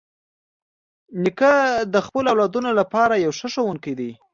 نیکه د خپلو اولادونو لپاره یو ښه ښوونکی دی.